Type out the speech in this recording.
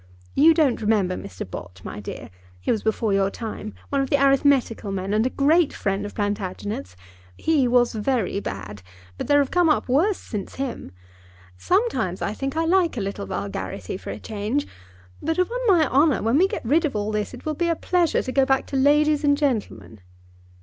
You don't remember Mr. Bott, my dear. He was before your time; one of the arithmetical men, and a great friend of Plantagenet's. He was very bad, but there have come up worse since him. Sometimes, I think, I like a little vulgarity for a change; but, upon my honour, when we get rid of all this it will be a pleasure to go back to ladies and gentlemen."